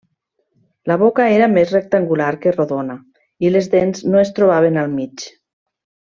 La boca era més rectangular que rodona, i les dents no es trobaven al mig.